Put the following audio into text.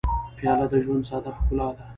پیاله د ژوند ساده ښکلا ده.